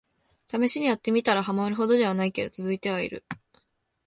ためしにやってみたら、ハマるほどではないけど続いてはいる